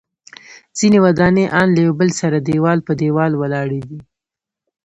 ځینې ودانۍ ان له یو بل سره دیوال په دیوال ولاړې دي.